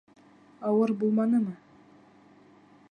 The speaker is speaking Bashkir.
Ауыр булманымы?